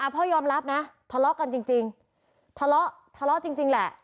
พ่อยอมรับนะทะเลาะกันจริงทะเลาะทะเลาะจริงแหละ